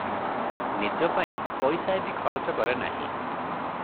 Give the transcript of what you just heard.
ନିଜପାଇଁ ପଇସାଏ ବି ଖରଚ କରେ ନାହିଁ ।